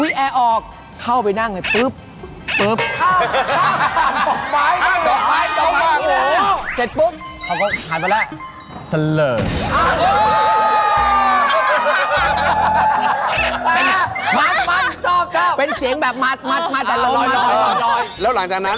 แล้วก็ถึงจบแบบ